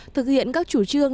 thực hiện các chủ trương